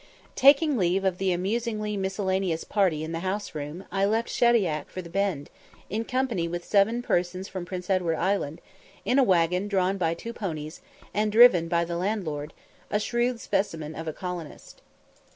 Taking leave of the amusingly miscellaneous party in the "house room," I left Shediac for the Bend, in company with seven persons from Prince Edward Island, in a waggon drawn by two ponies, and driven by the landlord, a shrewd specimen of a colonist.